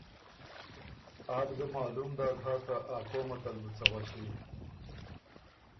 آت ګۀ معلوم داک هۀ که ا قومت ال بُو څۀ غؤݭی؟